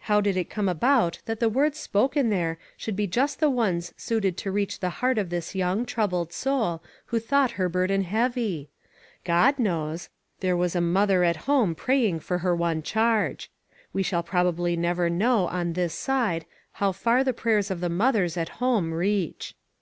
How did it come about that the words spoken there should be just the ones suited to reach the heart of this young, troubled soul, who thought her burden heavy? God knows. There was a mother at home pray ing for her one charge. We shall probably never know, on this side, how far the pray ers of the mothers at home reach.